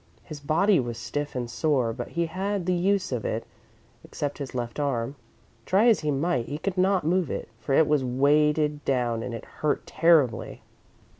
His body was stiff and sore, but he had the use of it, except his left arm. Try as he might, he could not move it, for it was weighted down and it hurt terribly.